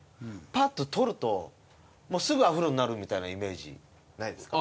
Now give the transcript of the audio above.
パッと取るとすぐアフロになるみたいなイメージないですか？